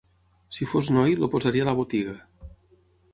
Si fos noi, el posaria a la botiga;